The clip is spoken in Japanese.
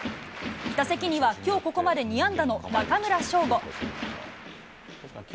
打席にはきょうここまで２安打の中村奨吾。